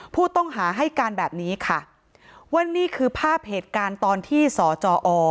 ผู้ต้องหาให้การแบบนี้ค่ะว่านี่คือภาพเหตุการณ์ตอนที่สจอ